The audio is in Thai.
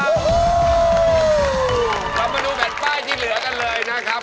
เรามาดูแผ่นป้ายที่เหลือกันเลยนะครับ